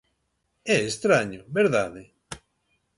É estraño, verdade?